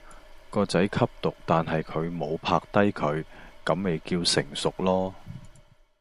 個仔吸毒但係佢無拍低佢，咁咪叫成熟囉